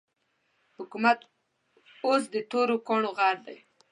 حکومت اوس د تورو کاڼو غر دی.